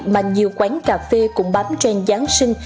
mà nhiều quán cà phê cũng bám trang giáng sinh